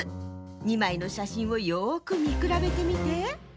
２まいのしゃしんをよくみくらべてみて！